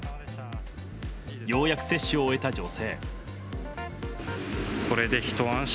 ようやく接種を終えた女性。